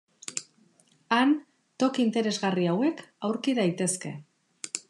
Han, toki interesgarri hauek aurki daitezke.